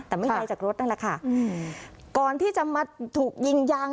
แต่ไม่ไกลจากรถนั่นแหละค่ะอืมก่อนที่จะมาถูกยิงยาง